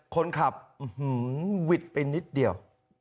คนขับหวิดไปนิดเดียว